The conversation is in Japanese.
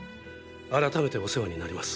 改めてお世話になります。